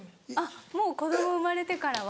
もう子供生まれてからは。